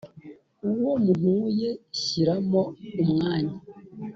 uwo muhuye shyiramo umwanya.